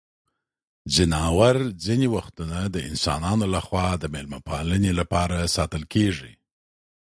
ځناور ځینې وختونه د انسانانو لخوا د مېلمه پالنې لپاره ساتل کیږي.